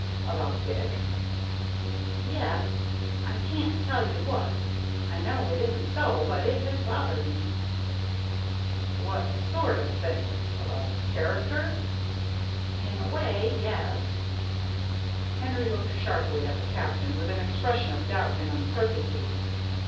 " About Dick ?" "Yes. I can't tell you what. I know it isn't so, but it has bothered me." " What sort of thing — about his char acter ?" "In a way — yes." Henry looked sharply at the Captain with an expression of doubt and uncertainty.